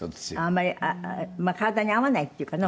あんまり体に合わないっていうかね